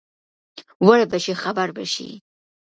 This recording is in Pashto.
ـ وربشې خبر بشې.